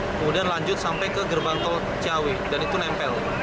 kemudian lanjut sampai ke gerbang tol ciawi dan itu nempel